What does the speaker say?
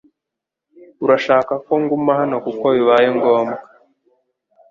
Urashaka ko nguma hano kuko bibaye ngombwa